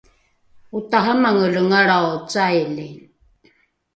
otaramangelengalrao caili